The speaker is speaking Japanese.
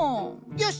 よし！